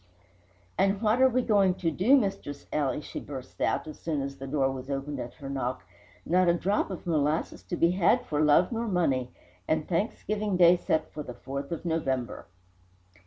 "And what are we going to do, Mistress Ely?" she burst out, as soon as the door was opened at her knock. "Not a drop of molasses to be had for love nor money, and Thanksgiving Day set for the 4th of November!"